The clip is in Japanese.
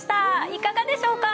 いかがでしょうか？